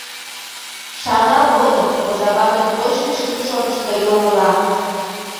Шагал годым озаватын кочкышыжо шотышто йоҥыла.